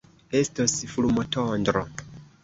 Estos fulmotondro.